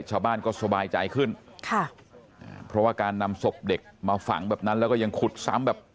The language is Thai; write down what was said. ชาวบ้านก็สบายใจขึ้นค่ะเพราะว่าการนำศพเด็กมาฝังแบบนั้นแล้วก็ยังขุดซ้ำแบบ